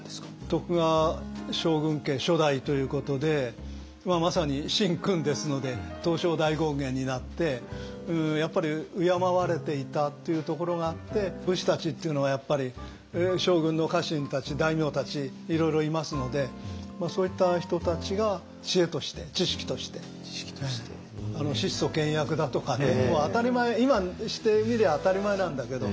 徳川将軍家初代ということでまさに「神君」ですので東照大権現になってやっぱり敬われていたというところがあって武士たちっていうのは将軍の家臣たち大名たちいろいろいますのでそういった人たちが知恵として知識として質素倹約だとかね当たり前今にしてみりゃ当たり前なんだけど。